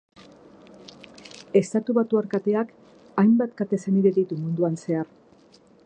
Estatubatuar kateak hainbat kate senide ditu munduan zehar.